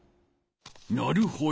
なるほど。